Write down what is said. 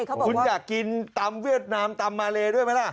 คุณอยากกินตำเวียดนามตำมาเลด้วยไหมล่ะ